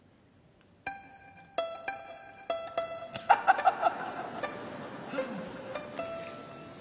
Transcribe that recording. ハハハハ！